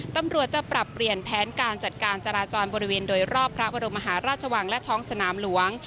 ตำรวจจะปรับเปลี่ยนแผนการจัดการจราจรบริเวณโดยรอบพระบรมมหาราชวังและท้องสนามหลวง